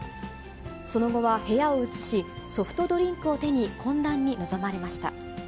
その後は部屋を移し、ソフトドリンクを手に懇談に臨まれました。